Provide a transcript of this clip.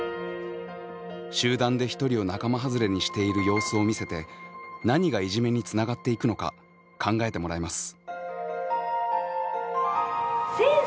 集団で一人を仲間はずれにしている様子を見せて何がいじめにつながっていくのか考えてもらいます。